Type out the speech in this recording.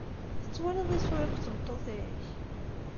Tettwaliḍ isura akked tmeṭṭut-ik?